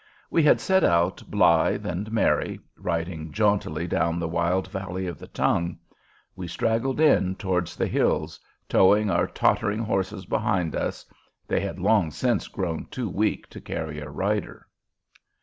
We had set out blithe and merry, riding jauntily down the wild valley of the Tongue. We straggled in towards the Hills, towing our tottering horses behind us: they had long since grown too weak to carry a rider.